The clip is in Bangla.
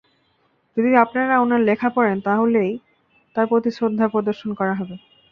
যদি আপনারা ওনার লেখা পড়েন তাহলেই তাঁর প্রতি শ্রদ্ধা প্রদর্শন করা হবে।